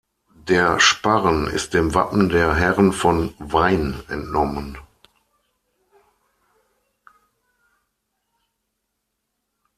Der Sparren ist dem Wappen der Herren von Wain entnommen.